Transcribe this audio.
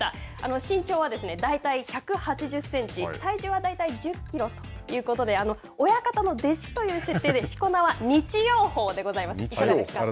身長は大体１８０センチ、体重は大体１０キロということで、親方の弟子という設定でしこ名は日曜鵬でございます。